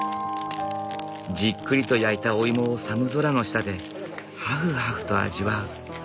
じっくりと焼いたお芋を寒空の下でハフハフと味わう。